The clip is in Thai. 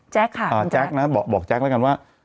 แจ๊กค่ะคุณแจ๊กแจ๊กนะบอกแจ๊กแล้วกันว่า